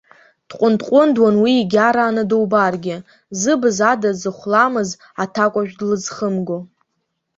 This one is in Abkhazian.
Дҟәындҟәындуан уи егьарааны дубаргьы, зыбз ада зыхәламыз аҭакәажә длызхымго.